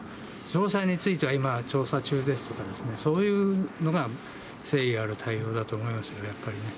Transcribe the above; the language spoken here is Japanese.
詳細については、今は調査中ですとかね、そういうのが誠意ある対応だと思いますよ、やっぱりね。